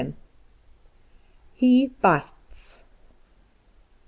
XII. He Bites.